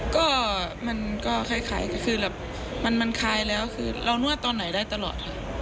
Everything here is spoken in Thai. ก็มันก็คล้ายก็คือแบบมันคล้ายแล้วคือเรานวดตอนไหนได้ตลอดค่ะ